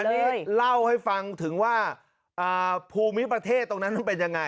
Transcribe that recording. อันนี้เล่าให้ฟังถึงว่าภูมิประเทศตรงนั้นมันเป็นยังไง